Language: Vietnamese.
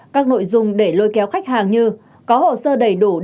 các nội dung để lôi kéo khách hàng như